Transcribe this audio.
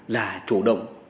là chủ động